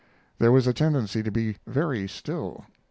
There was a tendency to be very still.